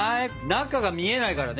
中が見えないからね。